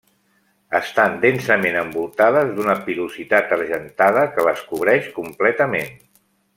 Estan densament envoltades d'una pilositat argentada que les cobreix completament.